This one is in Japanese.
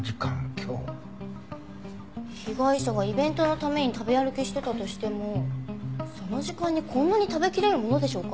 被害者がイベントのために食べ歩きしてたとしてもその時間にこんなに食べきれるものでしょうか？